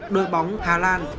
đôi bóng hà lan